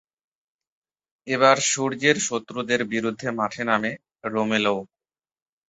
এবার সূর্যের শত্রুদের বিরুদ্ধে মাঠে নামে রোমেলও।